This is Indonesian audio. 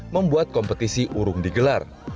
membuat kompetisi urung digelar